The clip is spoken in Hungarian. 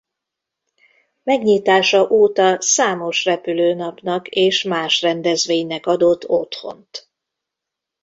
Megnyitása óta számos repülőnapnak és más rendezvénynek adott otthont.